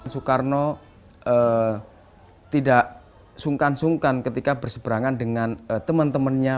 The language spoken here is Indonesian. soekarno tidak sungkan sungkan ketika berseberangan dengan teman temannya